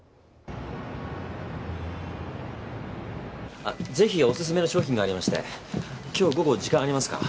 あっ是非おすすめの商品がありまして今日午後時間ありますか？